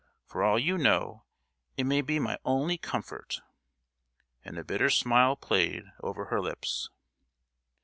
For all you know it may be my only comfort!" And a bitter smile played over her lips.